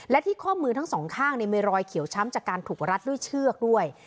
และที่ข้อมือทั้งสองข้างมีรอยเขียวช้ำจากการถูกรัดด้วยเชือกด้วย